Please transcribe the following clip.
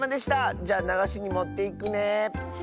じゃあながしにもっていくね。